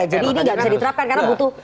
jadi ini tidak bisa diterapkan karena butuh